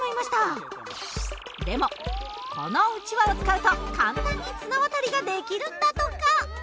でもこのうちわを使うと簡単に綱渡りができるんだとか。